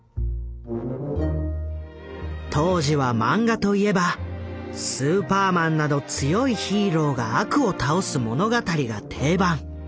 当時はマンガといえば「スーパーマン」など強いヒーローが悪を倒す物語が定番。